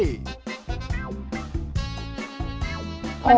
แล้วก็ให้ถ่ายกาวกลับกุ้ง๒๐๑๕